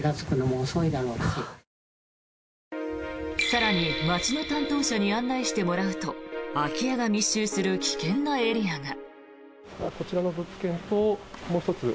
更に、町の担当者に案内してもらうと空き家が密集する危険なエリアが。